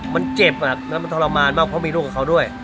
มันเจ็บแล้วมันทรมานมากเพราะมีลูกกับเขาด้วย